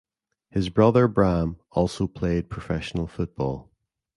His brother Bram also played professional football.